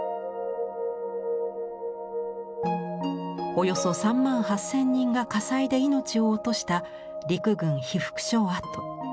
およそ３万８，０００人が火災で命を落とした陸軍被服廠跡。